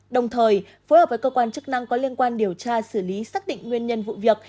đồng thời phối hợp với cơ quan chức năng có liên quan điều tra xử lý xác định nguyên nhân vụ việc